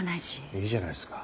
いいじゃないですか。